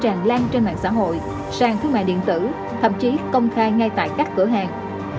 tràn lan trên mạng xã hội sàn thương mại điện tử thậm chí công khai ngay tại các cửa hàng